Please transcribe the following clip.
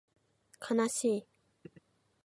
かなしい